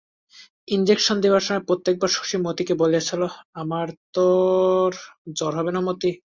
Injection দিবার সময় প্রত্যেকবার শশী মতিকে বলিয়াছে, আর তোর জ্বর হবে না মতি।